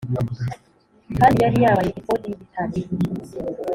kandi yari yambaye efodi y’igitare.